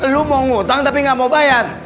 lu mau ngutang tapi nggak mau bayar